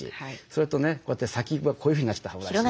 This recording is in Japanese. それとねこうやって先がこういうふうになっちゃった歯ブラシ。